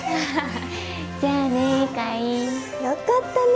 じゃあね海よかったね